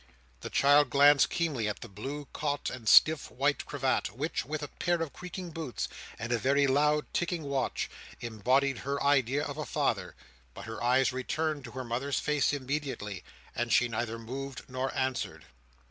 The child glanced keenly at the blue coat and stiff white cravat, which, with a pair of creaking boots and a very loud ticking watch, embodied her idea of a father; but her eyes returned to her mother's face immediately, and she neither moved nor answered.